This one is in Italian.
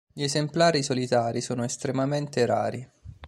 Gli esemplari solitari sono estremamente rari.